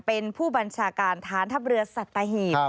เป็นผู้บัญชาการฐานทัพเรือสัตหีบ